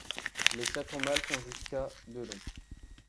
Les chatons mâles font jusqu'à de long.